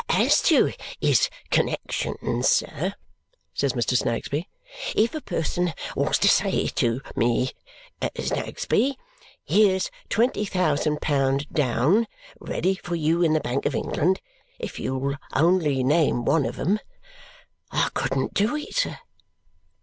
"As to his connexions, sir," says Mr. Snagsby, "if a person was to say to me, 'Snagsby, here's twenty thousand pound down, ready for you in the Bank of England if you'll only name one of 'em,' I couldn't do it, sir!